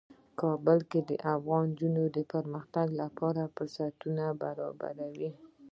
کابل د افغان نجونو د پرمختګ لپاره فرصتونه برابروي.